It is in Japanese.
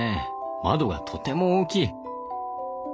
窓がとても大きい。